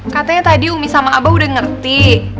katanya tadi umi sama abah udah ngerti